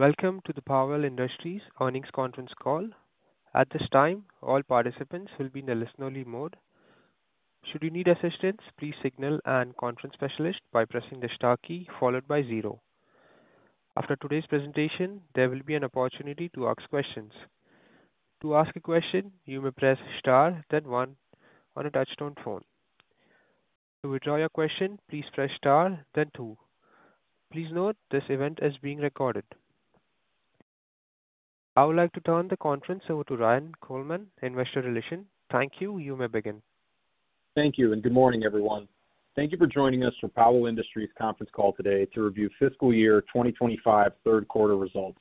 Welcome to the Powell Industries earnings conference call. At this time, all participants will be in a listen-only mode. Should you need assistance, please signal an earnings conference specialist by pressing the star key followed by zero. After today's presentation, there will be an opportunity to ask questions. To ask a question, you may press star, then one on a touch-tone phone. To withdraw your question, please press star, then two. Please note this event is being recorded. I would like to turn the conference over to Ryan Coleman, Investor Relations. Thank you. You may begin. Thank you and good morning, everyone. Thank you for joining us for Powell Industries' Conference Call today to review fiscal year 2025 third quarter results.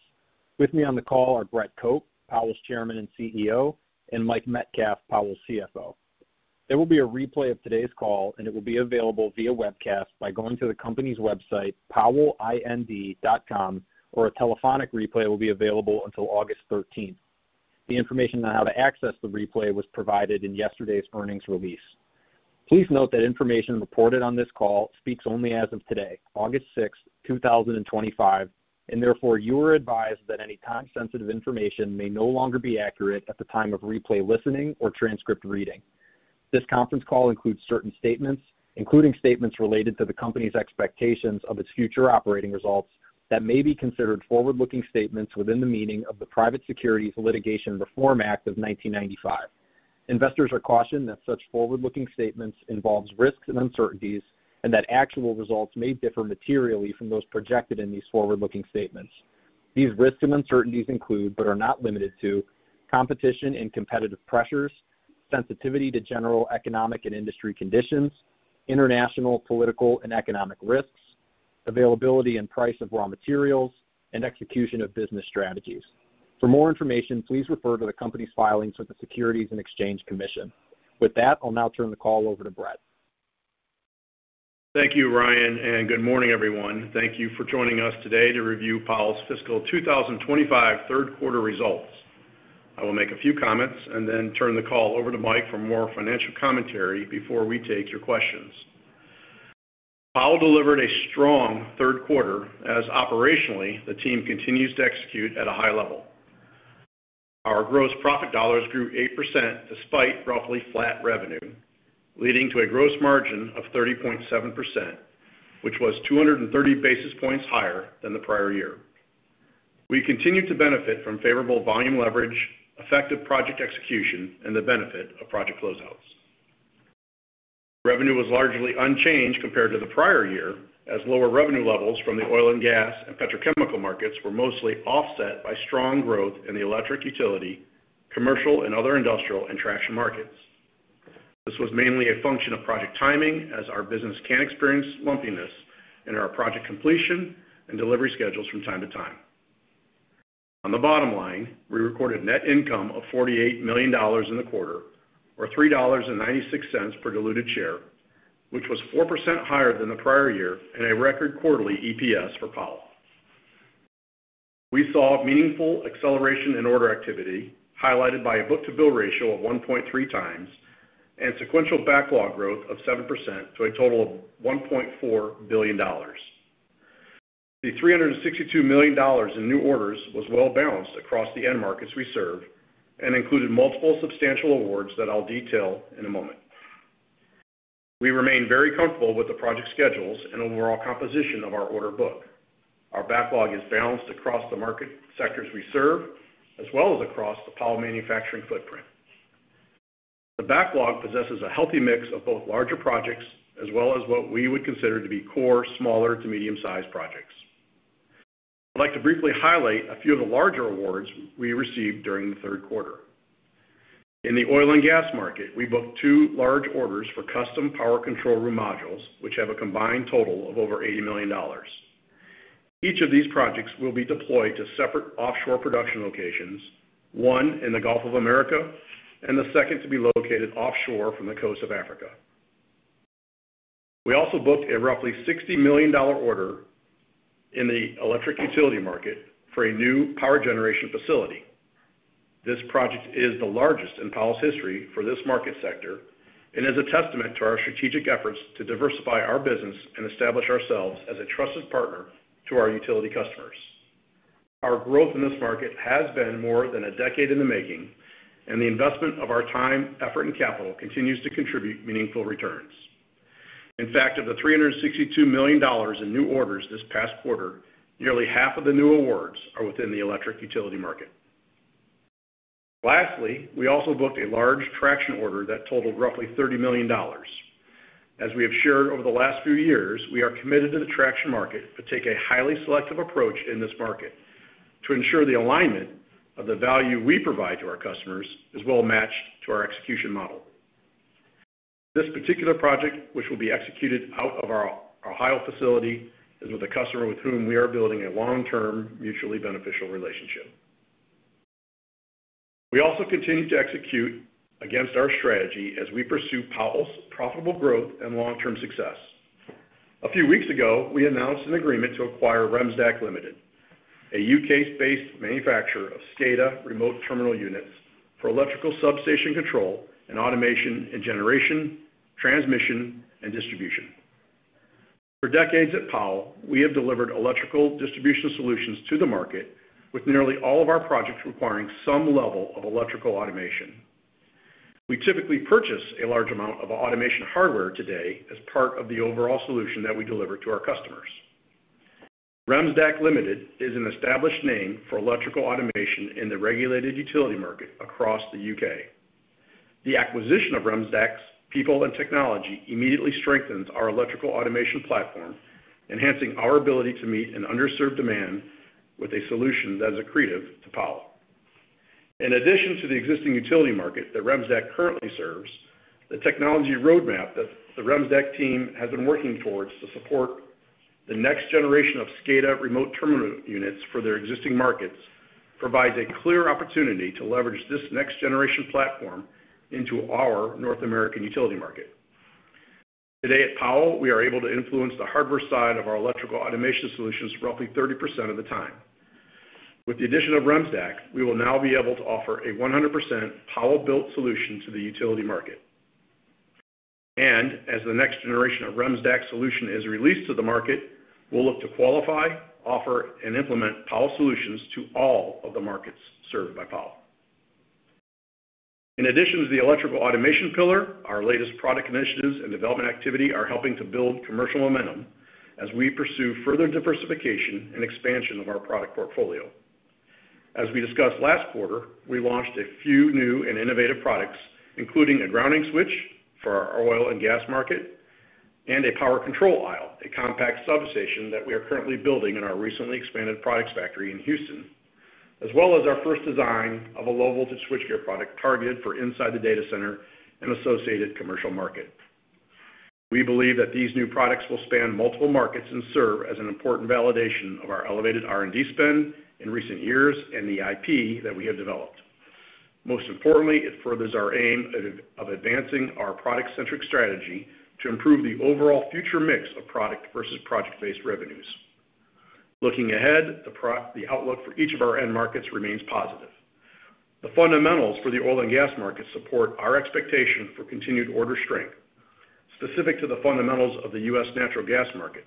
With me on the call are Brett Cope, Powell's Chairman and CEO, and Mike Metcalf, Powell's CFO. There will be a replay of today's call, and it will be available via webcast by going to the company's website, powellind.com, or a telephonic replay will be available until August 13th. The information on how to access the replay was provided in yesterday's earnings release. Please note that information reported on this call speaks only as of today, August 6th, 2025, and therefore you are advised that any time-sensitive information may no longer be accurate at the time of replay listening or transcript reading. This conference call includes certain statements, including statements related to the company's expectations of its future operating results that may be considered forward-looking statements within the meaning of the Private Securities Litigation Reform Act of 1995. Investors are cautioned that such forward-looking statements involve risks and uncertainties and that actual results may differ materially from those projected in these forward-looking statements. These risks and uncertainties include, but are not limited to, competition and competitive pressures, sensitivity to general economic and industry conditions, international political and economic risks, availability and price of raw materials, and execution of business strategies. For more information, please refer to the company's filings with the Securities and Exchange Commission. With that, I'll now turn the call over to Brett. Thank you, Ryan, and good morning, everyone. Thank you for joining us today to review Powell Industries' fiscal 2025 third quarter results. I will make a few comments and then turn the call over to Mike for more financial commentary before we take your questions. Powell Industries delivered a strong third quarter as operationally the team continues to execute at a high level. Our gross profit dollars grew 8% despite roughly flat revenue, leading to a gross margin of 30.7%, which was 230 basis points higher than the prior year. We continued to benefit from favorable volume leverage, effective project execution, and the benefit of project closeouts. Revenue was largely unchanged compared to the prior year as lower revenue levels from the oil and gas and petrochemical markets were mostly offset by strong growth in the electric utility, commercial, and other industrial and traction markets. This was mainly a function of project timing as our business can experience lumpiness in our project completion and delivery schedules from time to time. On the bottom line, we recorded net income of $48 million in the quarter, or $3.96 per diluted share, which was 4% higher than the prior year and a record quarterly EPS for Powell Industries. We saw meaningful acceleration in order activity, highlighted by a book-to-bill ratio of 1.3x and sequential backlog growth of 7% to a total of $1.4 billion. The $362 million in new orders was well balanced across the end markets we serve and included multiple substantial awards that I'll detail in a moment. We remain very comfortable with the project schedules and overall composition of our order book. Our backlog is balanced across the market sectors we serve, as well as across the Powell Industries manufacturing footprint. The backlog possesses a healthy mix of both larger projects as well as what we would consider to be core smaller to medium-sized projects. I'd like to briefly highlight a few of the larger awards we received during the third quarter. In the oil and gas market, we booked two large orders for custom power control room modules, which have a combined total of over $80 million. Each of these projects will be deployed to separate offshore production locations, one in the Gulf of America and the second to be located offshore from the coast of Africa. We also booked a roughly $60 million order in the electric utility market for a new power generation facility. This project is the largest in Powell's history for this market sector and is a testament to our strategic efforts to diversify our business and establish ourselves as a trusted partner to our utility customers. Our growth in this market has been more than a decade in the making, and the investment of our time, effort, and capital continues to contribute meaningful returns. In fact, of the $362 million in new orders this past quarter, nearly half of the new awards are within the electric utility market. Lastly, we also booked a large traction order that totaled roughly $30 million. As we have shared over the last few years, we are committed to the traction market but take a highly selective approach in this market to ensure the alignment of the value we provide to our customers is well matched to our execution model. This particular project, which will be executed out of our Ohio facility, is with a customer with whom we are building a long-term mutually beneficial relationship. We also continue to execute against our strategy as we pursue Powell's profitable growth and long-term success. A few weeks ago, we announced an agreement to acquire Remstack Ltd, a UK-based manufacturer of SCADA remote terminal units for electrical substation control and automation in generation, transmission, and distribution. For decades at Powell, we have delivered electrical distribution solutions to the market with nearly all of our projects requiring some level of electrical automation. We typically purchase a large amount of automation hardware today as part of the overall solution that we deliver to our customers. Remstack Ltd is an established name for electrical automation in the regulated utility market across the United Kingdom. The acquisition of Remstack's people and technology immediately strengthens our electrical automation platform, enhancing our ability to meet an underserved demand with a solution that is accretive to Powell. In addition to the existing utility market that Remstack currently serves, the technology roadmap that the Remstack team has been working towards to support the next generation of SCADA remote terminal units for their existing markets provides a clear opportunity to leverage this next-generation platform into our North American utility market. Today at Powell, we are able to influence the hardware side of our electrical automation solutions roughly 30% of the time. With the addition of Remstack, we will now be able to offer a 100% Powell-built solution to the utility market. As the next generation of Remstack solution is released to the market, we'll look to qualify, offer, and implement Powell Industries solutions to all of the markets served by Powell Industries. In addition to the electrical automation pillar, our latest product initiatives and development activity are helping to build commercial momentum as we pursue further diversification and expansion of our product portfolio. As we discussed last quarter, we launched a few new and innovative products, including a grounding switch for our oil and gas market and a power control aisle, a compact substation that we are currently building in our recently expanded products factory in Houston, as well as our first design of a low-voltage switchgear product targeted for inside the data center and associated commercial market. We believe that these new products will span multiple markets and serve as an important validation of our elevated R&D spend in recent years and the IP that we have developed. Most importantly, it furthers our aim of advancing our product-centric strategy to improve the overall future mix of product versus project-based revenues. Looking ahead, the outlook for each of our end markets remains positive. The fundamentals for the oil and gas market support our expectation for continued order strength. Specific to the fundamentals of the U.S. natural gas market,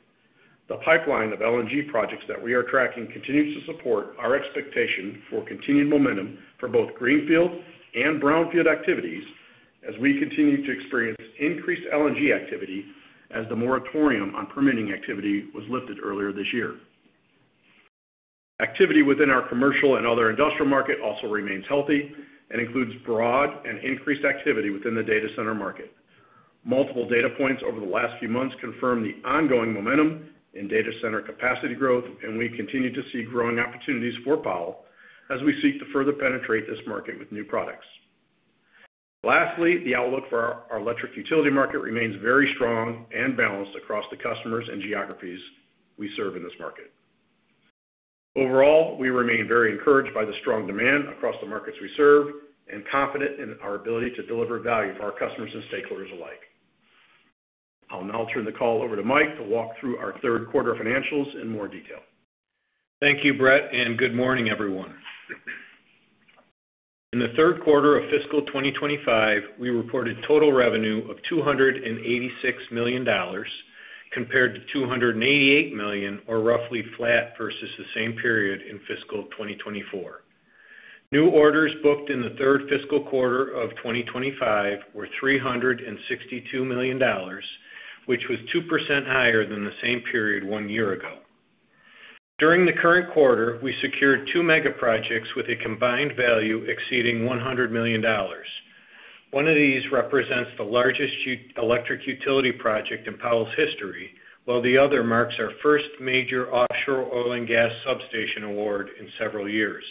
the pipeline of LNG projects that we are tracking continues to support our expectation for continued momentum for both greenfield and brownfield activities as we continue to experience increased LNG activity as the moratorium on permitting activity was lifted earlier this year. Activity within our commercial and other industrial market also remains healthy and includes broad and increased activity within the data center market. Multiple data points over the last few months confirm the ongoing momentum in data center capacity growth, and we continue to see growing opportunities for Powell Industries as we seek to further penetrate this market with new products. Lastly, the outlook for our electric utility market remains very strong and balanced across the customers and geographies we serve in this market. Overall, we remain very encouraged by the strong demand across the markets we serve and confident in our ability to deliver value for our customers and stakeholders alike. I'll now turn the call over to Mike to walk through our third quarter financials in more detail. Thank you, Brett, and good morning, everyone. In the third quarter of fiscal 2025, we reported total revenue of $286 million compared to $288 million, or roughly flat versus the same period in fiscal 2024. New orders booked in the third fiscal quarter of 2025 were $362 million, which was 2% higher than the same period one year ago. During the current quarter, we secured two mega projects with a combined value exceeding $100 million. One of these represents the largest electric utility project in Powell Industries' history, while the other marks our first major offshore oil and gas substation award in several years.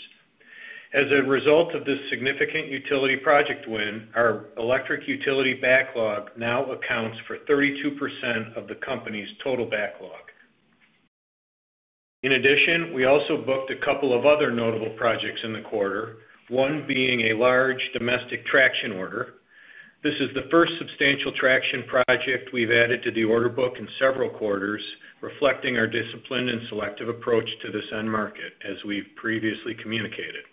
As a result of this significant utility project win, our electric utility backlog now accounts for 32% of the company's total backlog. In addition, we also booked a couple of other notable projects in the quarter, one being a large domestic traction order. This is the first substantial traction project we've added to the order book in several quarters, reflecting our disciplined and selective approach to this end market, as we've previously communicated.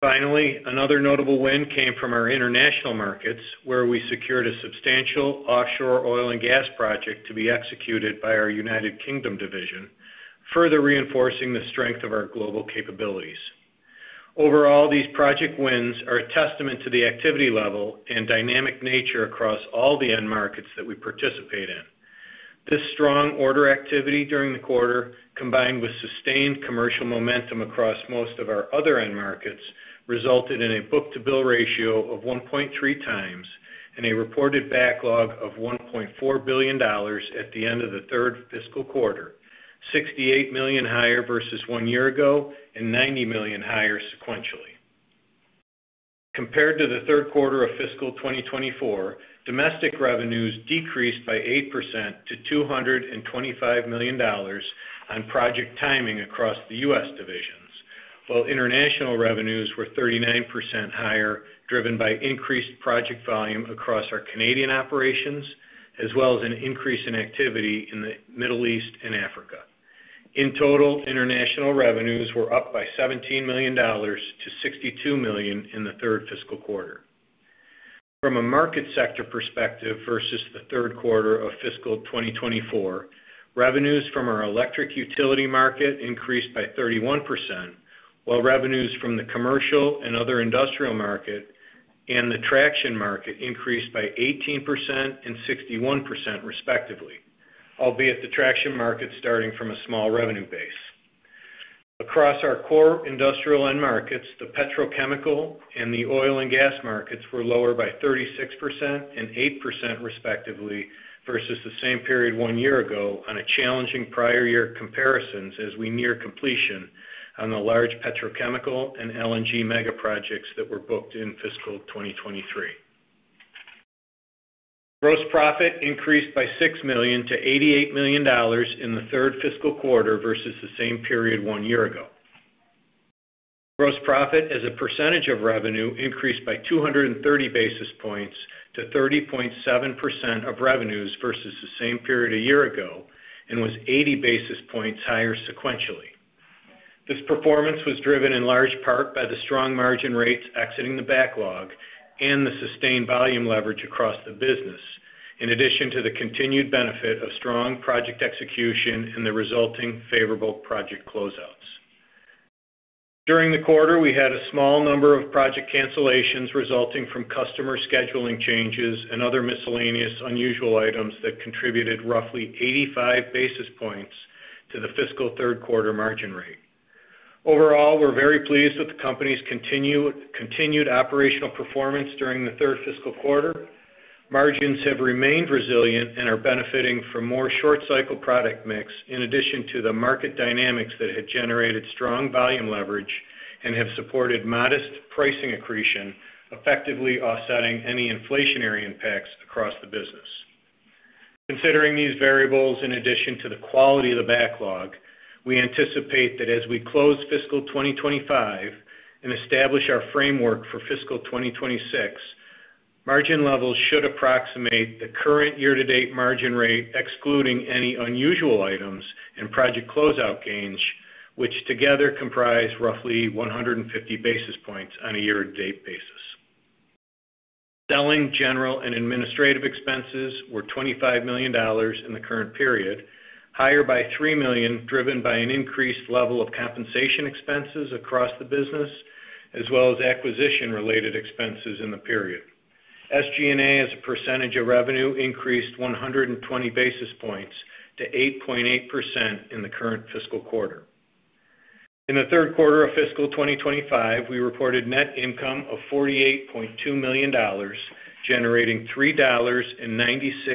Finally, another notable win came from our international markets, where we secured a substantial offshore oil and gas project to be executed by our United Kingdom division, further reinforcing the strength of our global capabilities. Overall, these project wins are a testament to the activity level and dynamic nature across all the end markets that we participate in. This strong order activity during the quarter, combined with sustained commercial momentum across most of our other end markets, resulted in a book-to-bill ratio of 1.3x and a reported backlog of $1.4 billion at the end of the third fiscal quarter, $68 million higher versus one year ago and $90 million higher sequentially. Compared to the third quarter of fiscal 2024, domestic revenues decreased by 8% to $225 million on project timing across the U.S. divisions, while international revenues were 39% higher, driven by increased project volume across our Canadian operations, as well as an increase in activity in the Middle East and Africa. In total, international revenues were up by $17 million to $62 million in the third fiscal quarter. From a market sector perspective versus the third quarter of fiscal 2024, revenues from our electric utility market increased by 31%, while revenues from the commercial and other industrial market and the traction market increased by 18% and 61%, respectively, albeit the traction market starting from a small revenue base. Across our core industrial end markets, the petrochemical and the oil and gas markets were lower by 36% and 8%, respectively, versus the same period one year ago on a challenging prior year comparisons as we near completion on the large petrochemical and LNG mega projects that were booked in fiscal 2023. Gross profit increased by $6 million to $88 million in the third fiscal quarter versus the same period one year ago. Gross profit as a percentage of revenue increased by 230 basis points to 30.7% of revenues versus the same period a year ago and was 80 basis points higher sequentially. This performance was driven in large part by the strong margin rates exiting the backlog and the sustained volume leverage across the business, in addition to the continued benefit of strong project execution and the resulting favorable project closeouts. During the quarter, we had a small number of project cancellations resulting from customer scheduling changes and other miscellaneous unusual items that contributed roughly 85 basis points to the fiscal third quarter margin rate. Overall, we're very pleased with the company's continued operational performance during the third fiscal quarter. Margins have remained resilient and are benefiting from more short-cycle product mix in addition to the market dynamics that had generated strong volume leverage and have supported modest pricing accretion, effectively offsetting any inflationary impacts across the business. Considering these variables in addition to the quality of the backlog, we anticipate that as we close fiscal 2025 and establish our framework for fiscal 2026, margin levels should approximate the current year-to-date margin rate, excluding any unusual items and project closeout gains, which together comprise roughly 150 basis points on a year-to-date basis. Selling, general and administrative expenses were $25 million in the current period, higher by $3 million, driven by an increased level of compensation expenses across the business, as well as acquisition-related expenses in the period. SG&A as a percentage of revenue increased 120 basis points to 8.8% in the current fiscal quarter. In the third quarter of fiscal 2025, we reported net income of $48.2 million, generating $3.96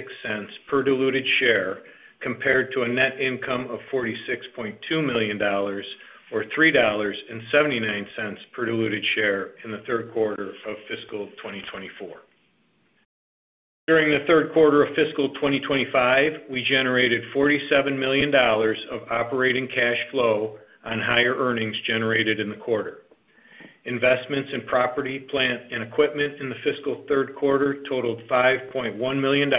per diluted share compared to a net income of $46.2 million, or $3.79 per diluted share in the third quarter of fiscal 2024. During the third quarter of fiscal 2025, we generated $47 million of operating cash flow on higher earnings generated in the quarter. Investments in property, plant, and equipment in the fiscal third quarter totaled $5.1 million,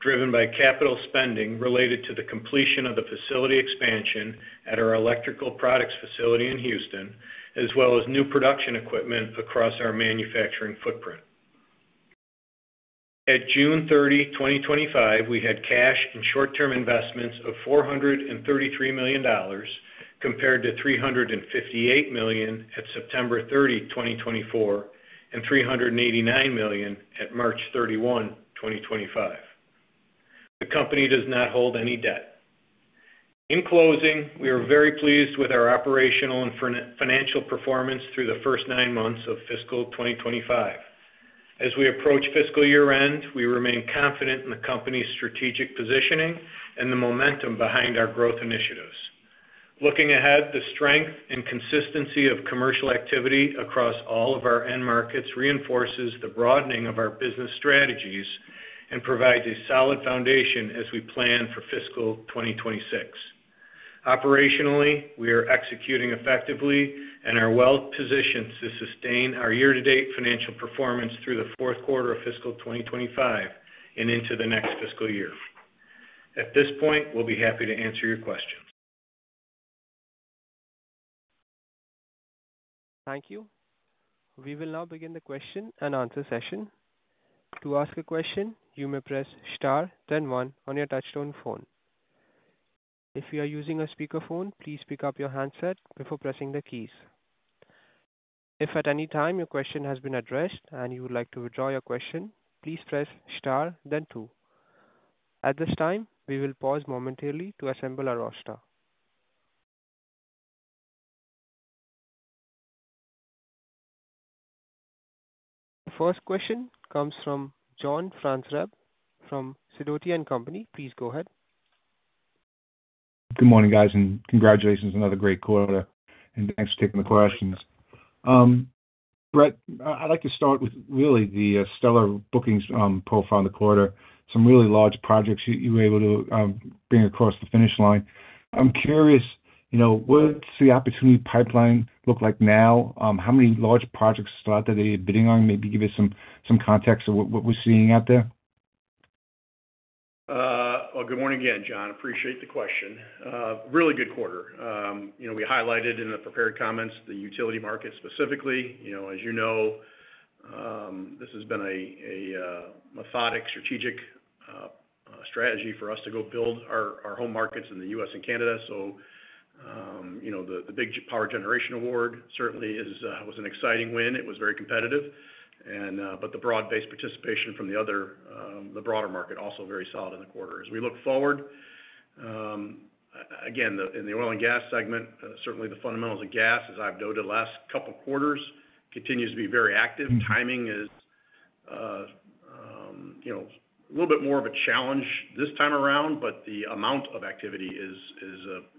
driven by capital spending related to the completion of the facility expansion at our electrical products facility in Houston, as well as new production equipment across our manufacturing footprint. At June 30, 2025, we had cash and short-term investments of $433 million compared to $358 million at September 30, 2024, and $389 million at March 31, 2025. The company does not hold any debt. In closing, we are very pleased with our operational and financial performance through the first nine months of fiscal 2025. As we approach fiscal year-end, we remain confident in the company's strategic positioning and the momentum behind our growth initiatives. Looking ahead, the strength and consistency of commercial activity across all of our end markets reinforces the broadening of our business strategies and provides a solid foundation as we plan for fiscal 2026. Operationally, we are executing effectively and are well positioned to sustain our year-to-date financial performance through the fourth quarter of fiscal 2025 and into the next fiscal year. At this point, we'll be happy to answer your questions. Thank you. We will now begin the question and answer session. To ask a question, you may press star, then one on your touch-tone phone. If you are using a speakerphone, please pick up your handset before pressing the keys. If at any time your question has been addressed and you would like to withdraw your question, please press star, then two. At this time, we will pause momentarily to assemble our roster. The first question comes from John Franzreb from Sidoti & Company. Please go ahead. Good morning, guys, and congratulations on another great quarter. Thanks for taking the questions. Brett, I'd like to start with really the stellar bookings profile in the quarter, some really large projects you were able to bring across the finish line. I'm curious, what's the opportunity pipeline look like now? How many larger projects are still out there that you're bidding on? Maybe give us some context of what we're seeing out there. Good morning again, John. I appreciate the question. Really good quarter. We highlighted in the prepared comments the utility market specifically. As you know, this has been a methodic, strategic strategy for us to go build our home markets in the U.S. and Canada. The big power generation award certainly was an exciting win. It was very competitive, and the broad-based participation from the broader market was also very solid in the quarter. As we look forward, in the oil and gas segment, certainly the fundamentals of gas, as I've noted the last couple of quarters, continue to be very active. Timing is a little bit more of a challenge this time around, but the amount of activity is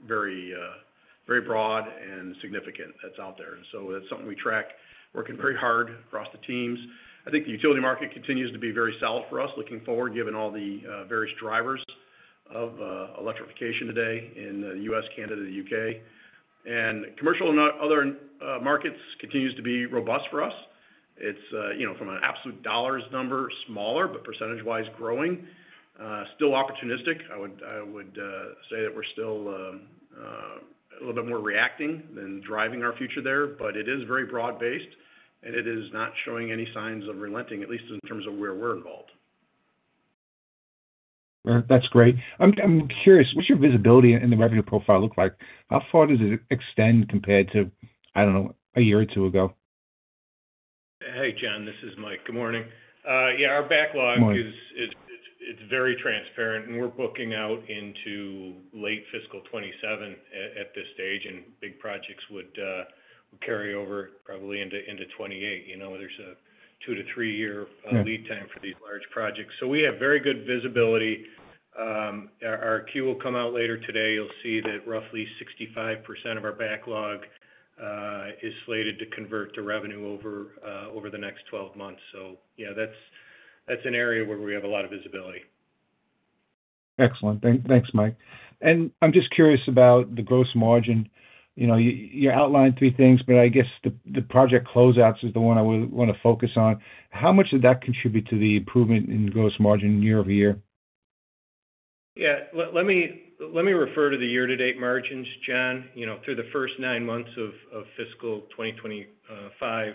very broad and significant that's out there. That's something we track, working very hard across the teams. I think the utility market continues to be very solid for us looking forward, given all the various drivers of electrification today in the U.S., Canada, and the United Kingdom. Commercial and other markets continue to be robust for us. From an absolute dollars number, it's smaller, but percentage-wise growing. Still opportunistic. I would say that we're still a little bit more reacting than driving our future there, but it is very broad-based and it is not showing any signs of relenting, at least in terms of where we're involved. That's great. I'm curious, what's your visibility in the revenue profile look like? How far does it extend compared to, I don't know, a year or two ago? Hey, John, this is Mike. Good morning. Our backlog is very transparent and we're booking out into late fiscal 2027 at this stage and big projects would carry over probably into 2028. You know, there's a two to three-year lead time for these large projects. We have very good visibility. Our queue will come out later today. You'll see that roughly 65% of our backlog is slated to convert to revenue over the next 12 months. That's an area where we have a lot of visibility. Excellent. Thanks, Mike. I'm just curious about the gross margin. You outlined three things, but I guess the project closeouts is the one I would want to focus on. How much did that contribute to the improvement in gross margin year over year? Yeah, let me refer to the year-to-date margins, John. Through the first nine months of fiscal 2025,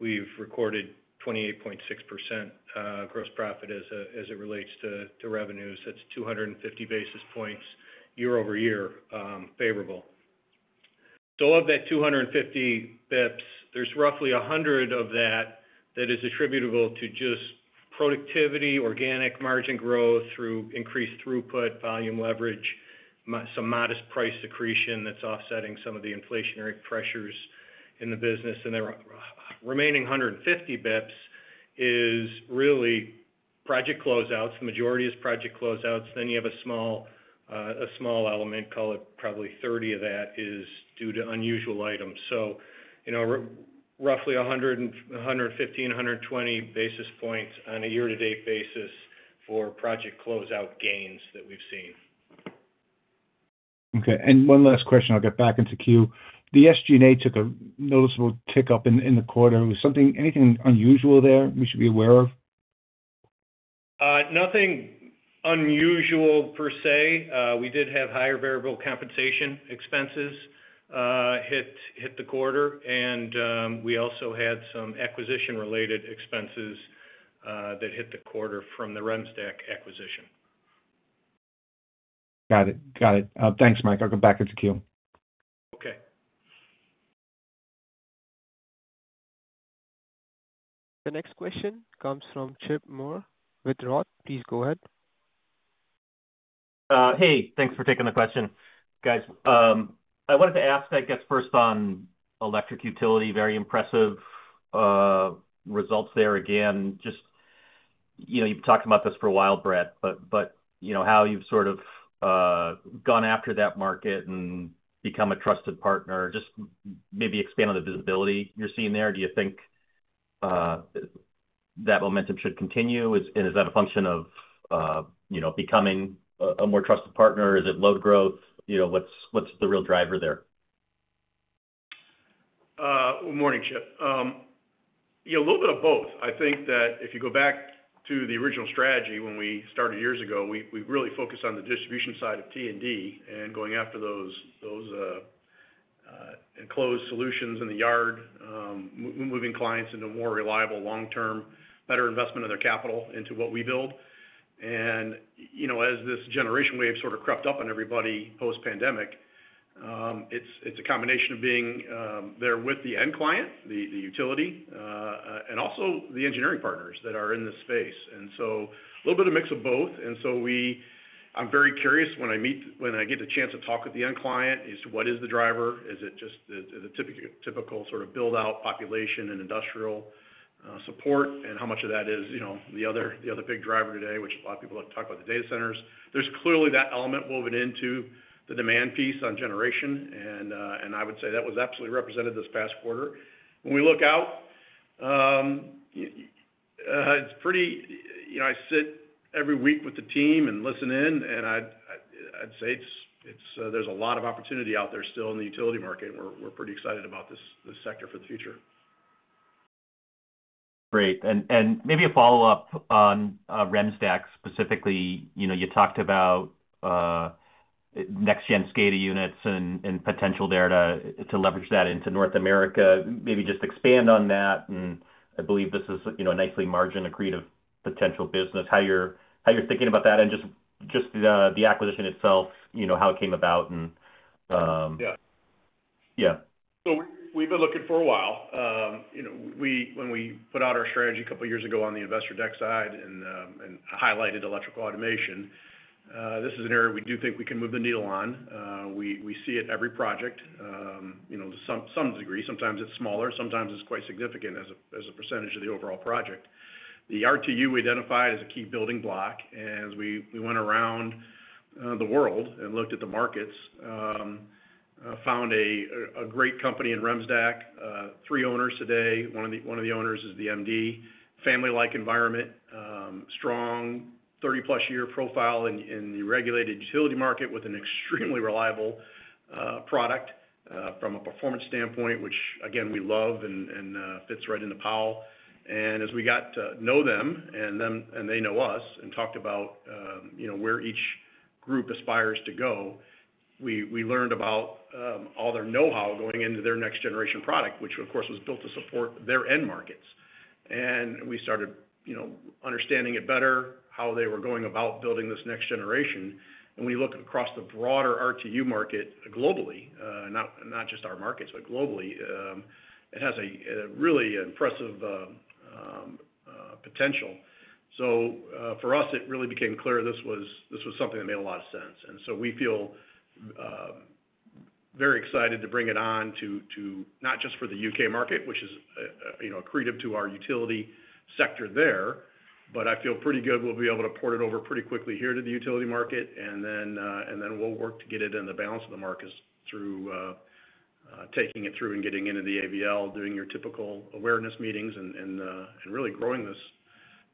we've recorded 28.6% gross profit as it relates to revenues. That's 250 basis points year over year favorable. Of that 250 basis points, there's roughly 100 of that that is attributable to just productivity, organic margin growth through increased throughput, volume leverage, some modest price accretion that's offsetting some of the inflationary pressures in the business. The remaining 150 basis points is really project closeouts. The majority is project closeouts. You have a small element, call it probably 30 of that is due to unusual items. Roughly 100, 115, 120 basis points on a year-to-date basis for project closeout gains that we've seen. Okay. One last question, I'll get back into queue. The SG&A took a noticeable tick up in the quarter. Was anything unusual there we should be aware of? Nothing unusual per se. We did have higher variable compensation expenses hit the quarter, and we also had some acquisition-related expenses that hit the quarter from the Remstack acquisition. Got it. Got it. Thanks, Mike. I'll go back into queue. Okay. The next question comes from Chip Moore with ROTH. Please go ahead. Hey, thanks for taking the question, guys. I wanted to ask, I guess, first on electric utility, very impressive results there again. You've been talking about this for a while, Brett, but how you've sort of gone after that market and become a trusted partner. Maybe expand on the visibility you're seeing there. Do you think that momentum should continue? Is that a function of becoming a more trusted partner? Is it load growth? What's the real driver there? Morning, Chip. You know, a little bit of both. I think that if you go back to the original strategy when we started years ago, we really focused on the distribution side of T&D and going after those enclosed solutions in the yard, moving clients into more reliable long-term, better investment of their capital into what we build. As this generation wave sort of crept up on everybody post-pandemic, it's a combination of being there with the end client, the utility, and also the engineering partners that are in this space. A little bit of a mix of both. I'm very curious when I meet, when I get a chance to talk with the end client as to what is the driver. Is it just the typical sort of build-out population and industrial support? How much of that is, you know, the other big driver today, which a lot of people have talked about the data centers. There's clearly that element woven into the demand piece on generation. I would say that was absolutely represented this past quarter. When we look out, it's pretty, you know, I sit every week with the team and listen in, and I'd say there's a lot of opportunity out there still in the utility market. We're pretty excited about this sector for the future. Great. Maybe a follow-up on Remstack specifically. You talked about next-gen SCADA remote terminal units and potential there to leverage that into North America. Maybe just expand on that. I believe this is a nicely margin accretive potential business. How you're thinking about that and just the acquisition itself, how it came about. Yeah. We've been looking for a while. You know, when we put out our strategy a couple of years ago on the Investor Deck side and highlighted electrical automation, this is an area we do think we can move the needle on. We see it every project, you know, to some degree. Sometimes it's smaller. Sometimes it's quite significant as a % of the overall project. The RTU we identified as a key building block, and we went around the world and looked at the markets, found a great company in Remstack. Three owners today. One of the owners is the MD. Family-like environment, strong 30-plus year profile in the regulated utility market with an extremely reliable product from a performance standpoint, which again, we love and fits right into Powell. As we got to know them and they know us and talked about, you know, where each group aspires to go, we learned about all their know-how going into their next-generation product, which of course was built to support their end markets. We started, you know, understanding it better, how they were going about building this next generation. We looked across the broader RTU market globally, not just our markets, but globally. It has a really impressive potential. For us, it really became clear this was something that made a lot of sense. We feel very excited to bring it on to not just for the UK market, which is accretive to our utility sector there, but I feel pretty good we'll be able to port it over pretty quickly here to the utility market. We'll work to get it in the balance of the markets through taking it through and getting into the AVL, doing your typical awareness meetings and really growing this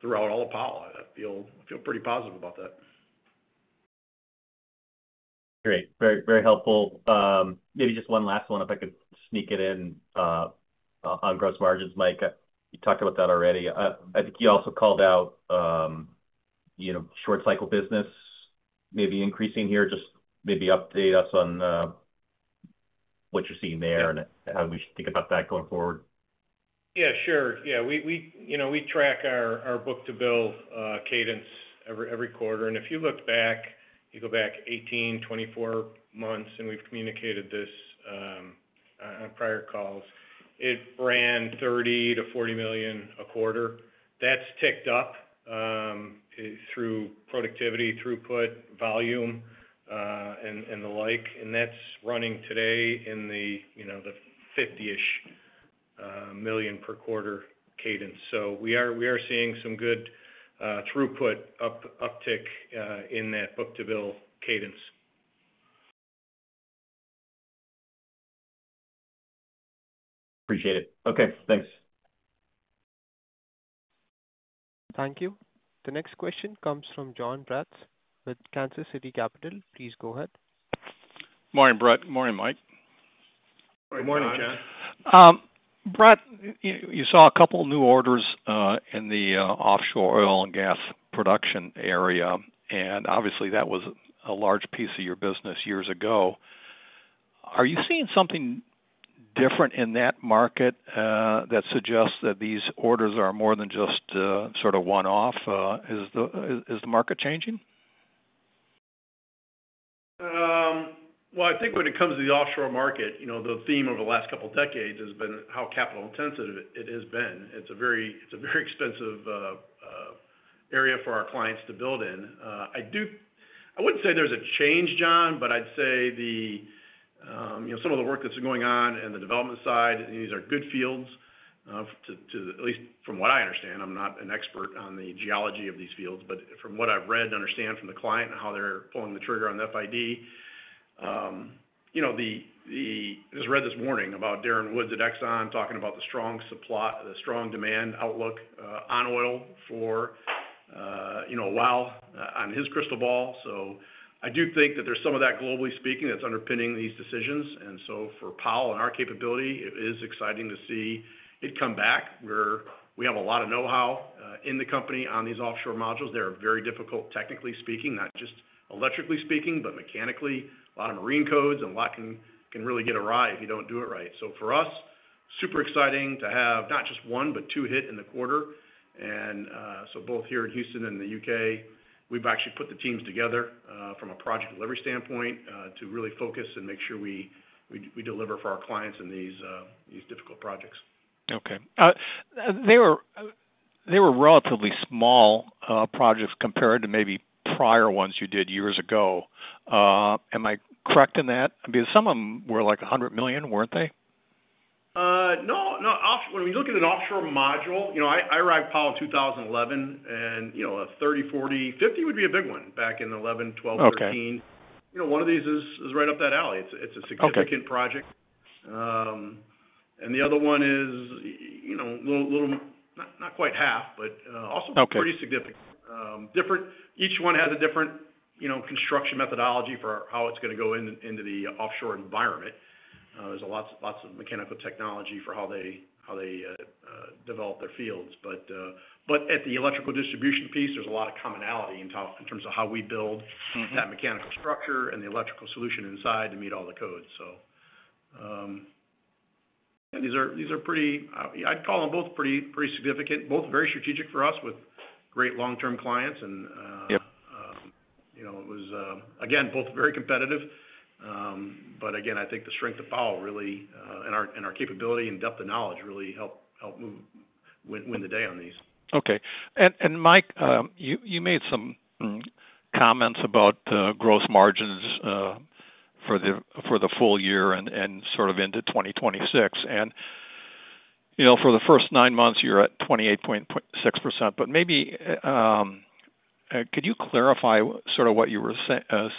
throughout all of Powell. I feel pretty positive about that. Great. Very, very helpful. Maybe just one last one, if I could sneak it in on gross margins, Mike. You talked about that already. I think you also called out, you know, short cycle business maybe increasing here. Just maybe update us on what you're seeing there and how we should think about that going forward. Yeah, sure. We track our book-to-bill cadence every quarter. If you look back, you go back 18-24 months, and we've communicated this on prior calls, it ran $30 million-$40 million a quarter. That's ticked up through productivity, throughput, volume, and the like. That's running today in the $50 million per quarter cadence. We are seeing some good throughput uptick in that book-to-bill cadence. Appreciate it. Okay, thanks. Thank you. The next question comes from Jon Braatz with Kansas City Capital. Please go ahead. Morning, Brett. Morning, Mike. Morning, John. Brett, you saw a couple of new orders in the offshore oil and gas production area, and obviously that was a large piece of your business years ago. Are you seeing something different in that market that suggests that these orders are more than just sort of one-off? Is the market changing? I think when it comes to the offshore market, the theme over the last couple of decades has been how capital-intensive it has been. It's a very expensive area for our clients to build in. I do, I wouldn't say there's a change, John, but I'd say some of the work that's going on in the development side, these are good fields to, at least from what I understand. I'm not an expert on the geology of these fields, but from what I've read and understand from the client and how they're pulling the trigger on the FID, I just read this morning about Darren Woods at Exxon talking about the strong demand outlook on oil for a while on his crystal ball. I do think that there's some of that, globally speaking, that's underpinning these decisions. For Powell and our capability, it is exciting to see it come back where we have a lot of know-how in the company on these offshore modules. They're very difficult, technically speaking, not just electrically speaking, but mechanically. A lot of marine codes and a lot can really get a ride if you don't do it right. For us, super exciting to have not just one, but two hit in the quarter. Both here in Houston and the United Kingdom, we've actually put the teams together from a project delivery standpoint to really focus and make sure we deliver for our clients in these difficult projects. Okay. They were relatively small projects compared to maybe prior ones you did years ago. Am I correct in that? Because some of them were like $100 million, weren't they? When we look at an offshore module, I arrived at Powell in 2011, and a $30 million, $40 million, $50 million would be a big one back in 2011, 2012, 2013. One of these is right up that alley. It's a significant project. The other one is a little, not quite half, but also pretty significant. Each one has a different construction methodology for how it's going to go into the offshore environment. There is lots of mechanical technology for how they develop their fields. At the electrical distribution piece, there is a lot of commonality in terms of how we build that mechanical structure and the electrical solution inside to meet all the codes. These are pretty, I'd call them both pretty significant, both very strategic for us with great long-term clients. It was, again, both very competitive. I think the strength of Powell really, and our capability and depth of knowledge, really helped win the day on these. Okay. Mike, you made some comments about the gross margins for the full year and sort of into 2026. For the first nine months, you're at 28.6%. Maybe could you clarify sort of what you were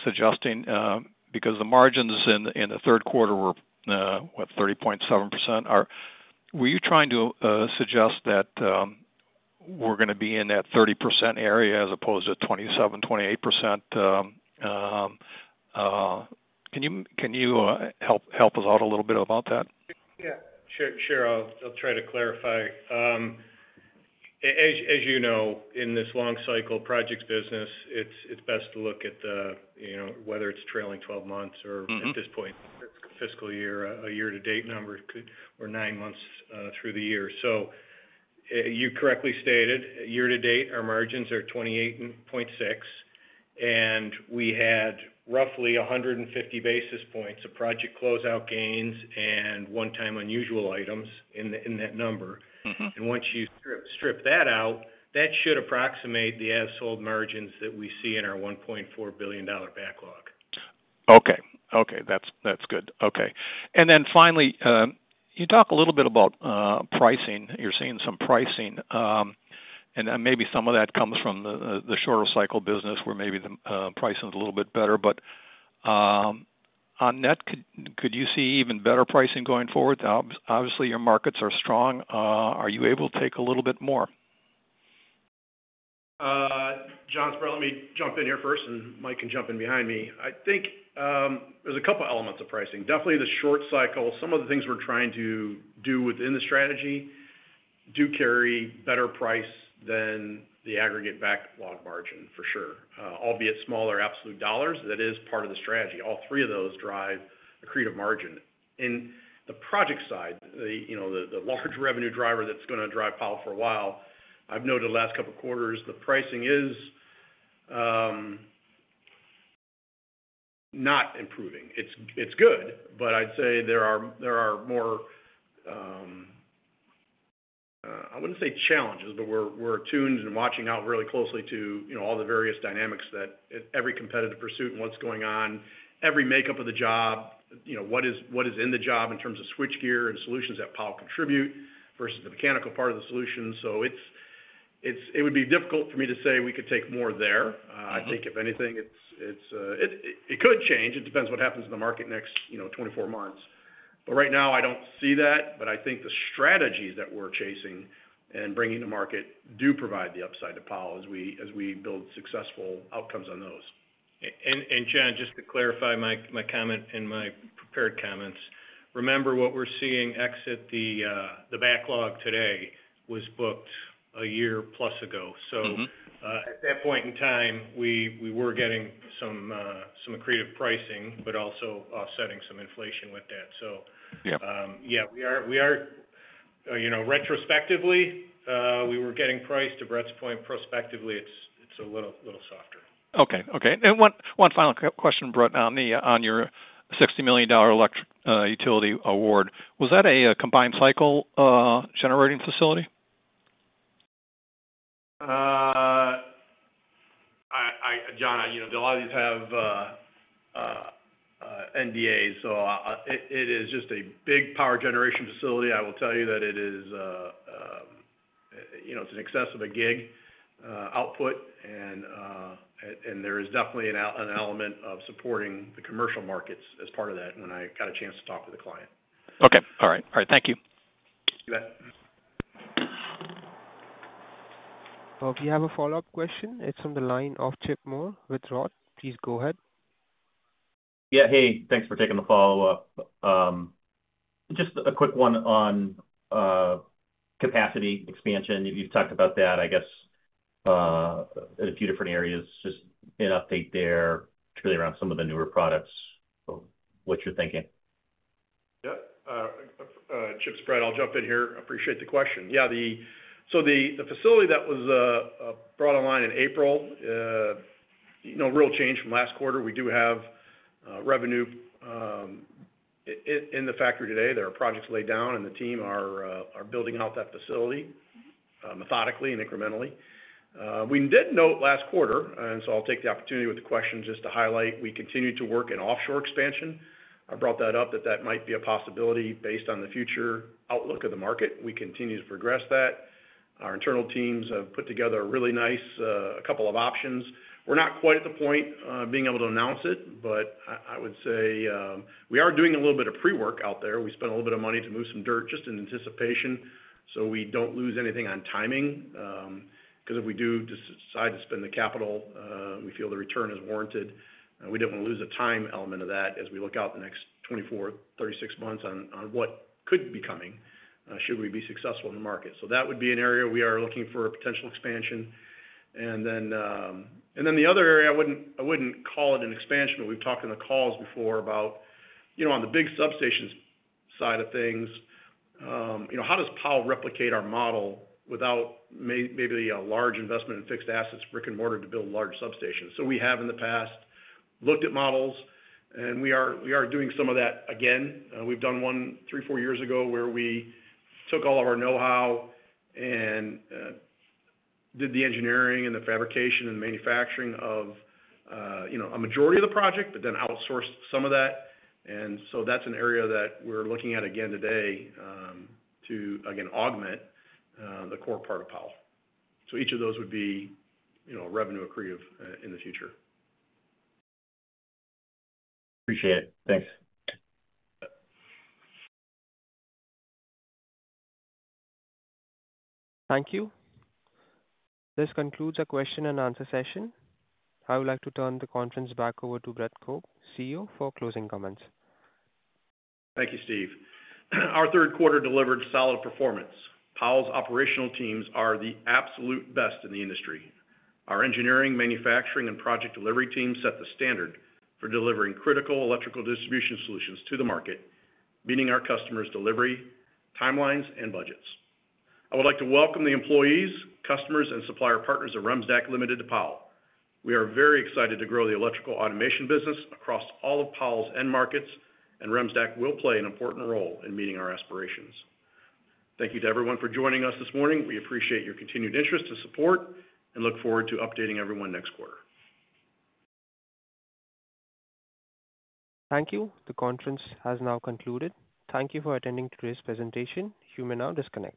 suggesting? The margins in the third quarter were, what, 30.7%? Were you trying to suggest that we're going to be in that 30% area as opposed to 27%, 28%? Can you help us out a little bit about that? Sure. I'll try to clarify. As you know, in this long cycle projects business, it's best to look at the, you know, whether it's trailing 12 months or at this point, fiscal year, a year-to-date number, or nine months through the year. You correctly stated, year-to-date, our margins are 28.6%, and we had roughly 150 basis points of project closeout gains and one-time unusual items in that number. Once you strip that out, that should approximate the as-sold margins that we see in our $1.4 billion backlog. Okay. That's good. Finally, you talk a little bit about pricing. You're seeing some pricing, and maybe some of that comes from the shorter cycle business where maybe the pricing is a little bit better. On that, could you see even better pricing going forward? Obviously, your markets are strong. Are you able to take a little bit more? Let me jump in here first, and Mike can jump in behind me. I think there's a couple of elements of pricing. Definitely the short cycle, some of the things we're trying to do within the strategy do carry better price than the aggregate backlog margin for sure, albeit smaller absolute dollars. That is part of the strategy. All three of those drive accretive margin. In the project side, you know, the lockage revenue driver that's going to drive Powell Industries for a while, I've noted the last couple of quarters, the pricing is not improving. It's good, but I'd say there are more, I wouldn't say challenges, but we're attuned and watching out really closely to all the various dynamics that every competitive pursuit and what's going on, every makeup of the job, you know, what is in the job in terms of switchgear and solutions that Powell Industries contribute versus the mechanical part of the solution. It would be difficult for me to say we could take more there. I think if anything, it could change. It depends what happens in the market next, you know, 24 months. Right now, I don't see that, but I think the strategies that we're chasing and bringing to market do provide the upside to Powell Industries as we build successful outcomes on those. John, just to clarify my comment and my prepared comments, remember what we're seeing exit the backlog today was booked a year plus ago. At that point in time, we were getting some accretive pricing, but also offsetting some inflation with that. Yeah, we are, you know, retrospectively, we were getting priced to Brett's point. Prospectively, it's a little softer. Okay. One final question, Brett, on your $60 million electric utility award. Was that a combined cycle generating facility? John, a lot of these have NDAs, so it is just a big power generation facility. I will tell you that it is in excess of a gig output, and there is definitely an element of supporting the commercial markets as part of that when I got a chance to talk with the client. All right. Thank you. We have a follow-up question, it's on the line of Chip Moore with ROTH. Please go ahead. Yeah, thanks for taking the follow-up. Just a quick one on capacity expansion. You've talked about that, I guess, in a few different areas. Just an update there, particularly around some of the newer products, of what you're thinking. Yep. I'll jump in here. I appreciate the question. Yeah, so the facility that was brought online in April, no real change from last quarter. We do have revenue in the factory today. There are projects laid down, and the team are building out that facility methodically and incrementally. We did note last quarter, and I’ll take the opportunity with the question just to highlight, we continue to work in offshore expansion. I brought that up that that might be a possibility based on the future outlook of the market. We continue to progress that. Our internal teams have put together a really nice couple of options. We're not quite at the point of being able to announce it, but I would say we are doing a little bit of pre-work out there. We spent a little bit of money to move some dirt just in anticipation so we don't lose anything on timing. Because if we do decide to spend the capital, we feel the return is warranted. We didn't want to lose the time element of that as we look out the next 24-36 months on what could be coming should we be successful in the market. That would be an area we are looking for a potential expansion. The other area, I wouldn't call it an expansion, but we've talked in the calls before about, you know, on the big substation side of things, you know, how does Powell replicate our model without maybe a large investment in fixed assets, brick and mortar, to build large substations? We have in the past looked at models, and we are doing some of that again. We've done one three, four years ago where we took all of our know-how and did the engineering and the fabrication and manufacturing of, you know, a majority of the project, but then outsourced some of that. That's an area that we're looking at again today to, again, augment the core part of Powell. Each of those would be, you know, revenue accretive in the future. Appreciate it. Thanks. Thank you. This concludes our question and answer session. I would like to turn the conference back over to Brett Cope for closing comments. Thank you, Steve. Our third quarter delivered solid performance. Powell's operational teams are the absolute best in the industry. Our engineering, manufacturing, and project delivery teams set the standard for delivering critical electrical distribution solutions to the market, meeting our customers' delivery timelines and budgets. I would like to welcome the employees, customers, and supplier partners of Remstack Ltd to Powell. We are very excited to grow the electrical automation business across all of Powell's end markets, and Remstack will play an important role in meeting our aspirations. Thank you to everyone for joining us this morning. We appreciate your continued interest to support and look forward to updating everyone next quarter. Thank you. The conference has now concluded. Thank you for attending today's presentation. You may now disconnect.